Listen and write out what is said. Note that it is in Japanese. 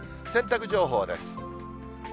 洗濯情報です。